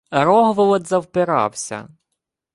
Рогволод завпирався: